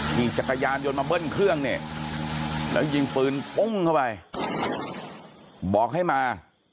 ขี่จักรยานยนต์มาเบิ้ลเครื่องเนี่ยแล้วยิงปืนปุ้งเข้าไปบอกให้มา